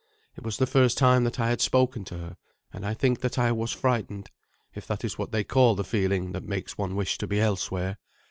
It was the first time that I had spoken to her, and I think that I was frightened, if that is what they call the feeling that makes one wish to be elsewhere.